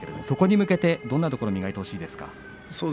そこに向けてどんなところを磨いてほしいですか。